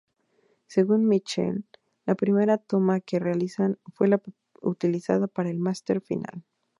Según Mitchell, la primera toma que realizaron fue la utilizada para el máster final.